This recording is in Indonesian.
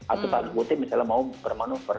atau pak guti misalnya mau bermanuver